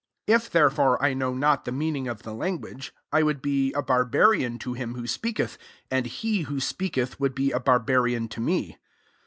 1 1 If therefore I know not the meaning of the language, I would be a barbarian to him who speaketh, and he who speaketh would be a barbarian to me.